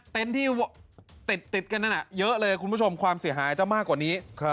เต็นต์ที่ติดตกนั้นอะเยอะเลยคุณผู้ชมความเสียหายอาจจะมากกว่านี้